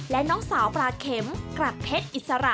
และน้องสาวปลาเข็มกรักเพชรอิสระ